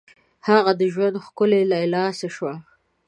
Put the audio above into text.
هغه د ژوند ښکلي لیلا څه شوه؟